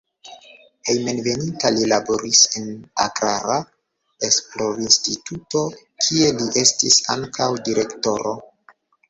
Hejmenveninta li laboris en agrara esplorinstituto, kie li estis ankaŭ direktoro.